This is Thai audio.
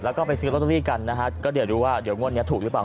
แล้วก็ไปซื้อลอตเตอรี่กันนะฮะก็เดี๋ยวดูว่าเดี๋ยวงวดนี้ถูกหรือเปล่า